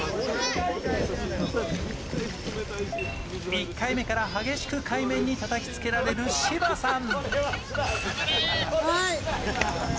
１回目から激しく海面にたたきつけられる芝さん。